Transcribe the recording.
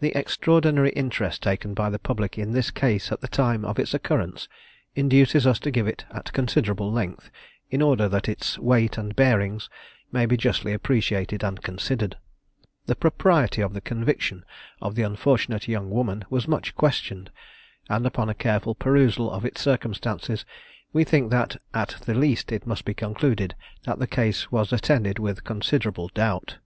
The extraordinary interest taken by the public in this case at the time of its occurrence induces us to give it at considerable length, in order that its weight and bearings may be justly appreciated and considered. The propriety of the conviction of the unfortunate young woman was much questioned; and upon a careful perusal of its circumstances we think that at the least it must be concluded that the case was attended with considerable doubt.